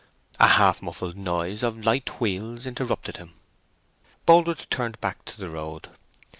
A half muffled noise of light wheels interrupted him. Boldwood turned back into the road.